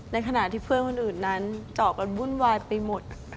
ในขณะที่เพื่อนคนอื่นนั้นเจาะกันวุ่นวายไปหมด